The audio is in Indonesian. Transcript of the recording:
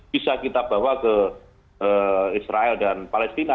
bisa kita bawa ke israel dan palestina